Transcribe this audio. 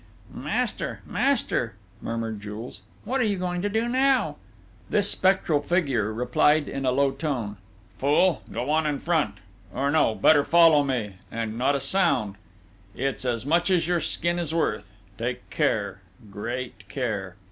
"Master!... Master!" murmured Jules. "What are you going to do now?" This spectral figure replied in a low tone: "Fool!... go on in front or no better follow me! And not a sound it's as much as your skin is worth!... Take care great care!"